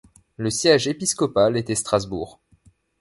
Le siège épiscopal était Strasbourg.